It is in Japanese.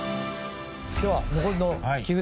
では残りの木札